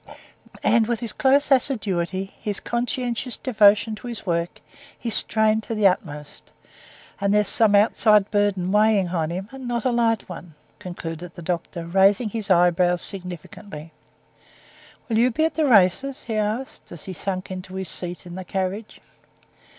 And with his close assiduity, his conscientious devotion to his work, he's strained to the utmost; and there's some outside burden weighing on him, and not a light one," concluded the doctor, raising his eyebrows significantly. "Will you be at the races?" he added, as he sank into his seat in the carriage.